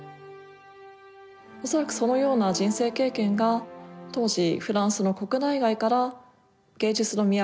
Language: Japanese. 恐らくそのような人生経験が当時フランスの国内外から芸術の都